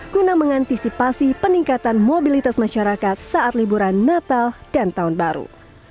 guna mengantisipasi peningkatan mobilitas masyarakat saat liburan natal dan tahun baru